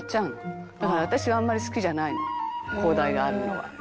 「だから私はあんまり好きじゃないの高台があるのは」